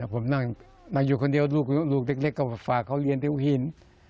ผมนั่งอยู่คนเดียวลูกเล็กก็ฝากเขาเรียนที่หัวหิน